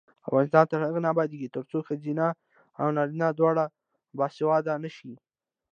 افغانستان تر هغو نه ابادیږي، ترڅو ښځینه او نارینه دواړه باسواده نشي.